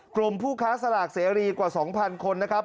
กลุ่มผู้ค้าสลากเสรีกว่า๒๐๐คนนะครับ